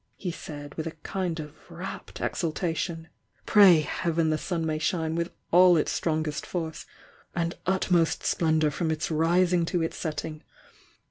he said with a kind of rapt exultation. "Pray Heaven the sun may shine with all its strongest force and utm ,t splendour from its rising to its setting!